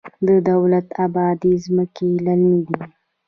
د دولت اباد ځمکې للمي دي